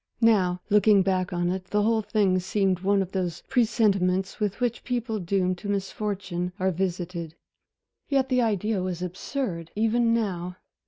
Now, looking back on it, the whole thing seemed one of those presentiments with which people doomed to misfortune are visited. Yet the idea was absurd, even now.